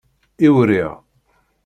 Iwriɣ.